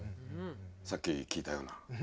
さっき聴いたような。